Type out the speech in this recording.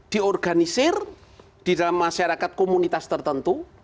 diorganisir di dalam masyarakat komunitas tertentu